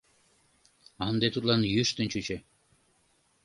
Ынде тудлан йӱштын чучо.